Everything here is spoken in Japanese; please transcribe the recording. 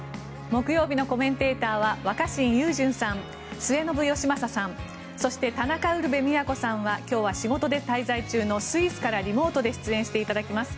木曜日のコメンテーターは若新雄純さん、末延吉正さんそして、田中ウルヴェ京さんは今日は仕事で滞在中のスイスからリモートで出演していただきます。